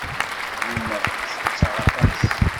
Nnummeɣ ttetteɣ aṭas.